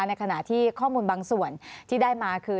ในขณะที่ข้อมูลบางส่วนที่ได้มาคือ